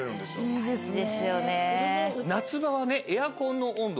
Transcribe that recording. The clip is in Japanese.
いいですよね。